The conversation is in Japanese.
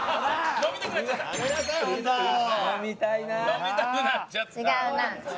飲みたくなっちゃった。